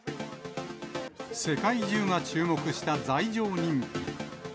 世界中が注目した罪状認否。